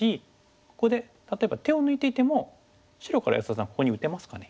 ここで例えば手を抜いていても白から安田さんここに打てますかね？